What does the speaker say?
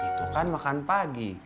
itu kan makan pagi